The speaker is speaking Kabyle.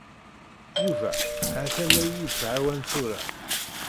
Yuba ha-t-an la iyi-yettɛawan tura.